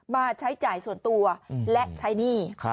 มาใช้จ่ายส่วนตัวและใช้หนี้